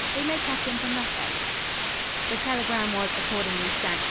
They may catch him from that end." The telegram was accordingly sent.